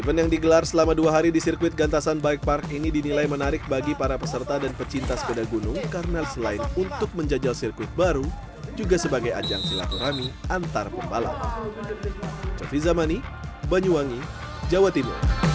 event yang digelar selama dua hari di sirkuit gantasan bike park ini dinilai menarik bagi para peserta dan pecinta sepeda gunung karena selain untuk menjajal sirkuit baru juga sebagai ajang silaturahmi antar pembalap